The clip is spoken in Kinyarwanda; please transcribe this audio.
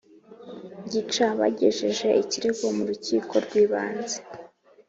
gica.bagejeje ikirego mu rukiko rw’ibanze